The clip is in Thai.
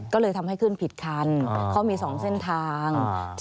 ก็เลยทำให้ขึ้นผิดคันเขามี๒เส้นทาง